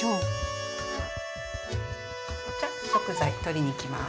じゃ食材取りに行きます。